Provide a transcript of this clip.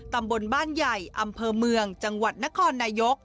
ตำบลบ้านใหญ่อำเภอเมืองจังหวัดนครนายก